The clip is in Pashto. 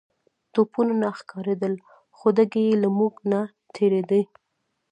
توپونه نه ښکارېدل خو ډزې يې له موږ نه تېرېدې.